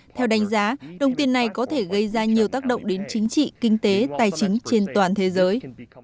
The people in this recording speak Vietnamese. theo đánh giá đồng tiền này có thể gây ra nhiều tác động đến chính trị kinh tế tài chính trên toàn thế giới